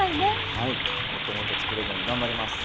はいもっともっと作れるように頑張ります。